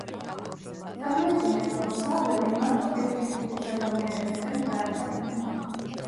წარმოიდგინეთ, რომ ძაღლები მარტო „კეთილი“ ჯგუფის ადამიანებისკენ გაემართნენ.